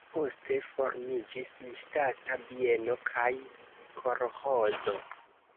Poste formiĝis ŝtata bieno kaj kolĥozo.